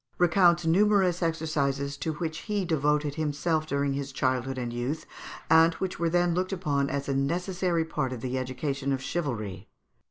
recounts numerous exercises to which he devoted himself during his childhood and youth, and which were then looked upon as a necessary part of the education of chivalry.